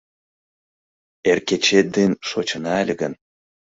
Эр кечет ден шочына ыле гын